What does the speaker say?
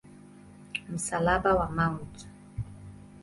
Msalaba wa Mt.